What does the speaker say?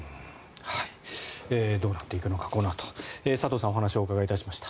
どうなっていくのかこのあと。佐藤さんにお話をお伺いいたしました。